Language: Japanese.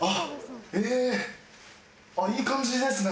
えいい感じですね。